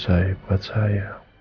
seolah hidup selesai